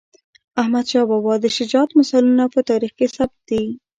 احمدشاه بابا د شجاعت مثالونه په تاریخ کې ثبت دي.